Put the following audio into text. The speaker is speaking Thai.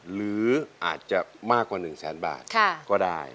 หรืออาจจะมากกว่า๑แสนบาทก็ได้